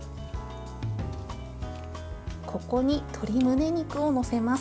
ここに鶏むね肉を載せます。